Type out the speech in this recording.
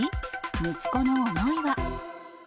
息子の思いは。